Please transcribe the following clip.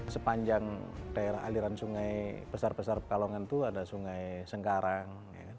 sepanjang daerah aliran sungai besar besar pekalongan itu ada sungai sengkarang